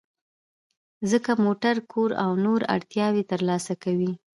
ځکه موټر، کور او نورې اړتیاوې ترلاسه کوئ.